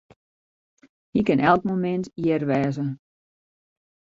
Hy kin ek elk momint hjir wêze.